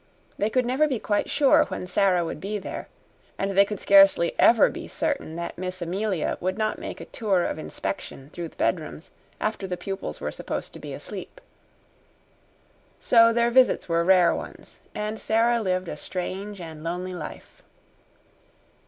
They could never be quite sure when Sara would be there, and they could scarcely ever be certain that Miss Amelia would not make a tour of inspection through the bedrooms after the pupils were supposed to be asleep. So their visits were rare ones, and Sara lived a strange and lonely life.